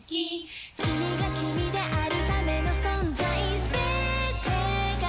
「君が君であるための存在すべてが」